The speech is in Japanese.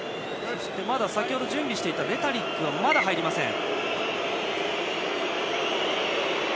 先程、準備していたレタリックがまだ入りません。